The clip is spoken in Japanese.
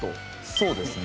そうですね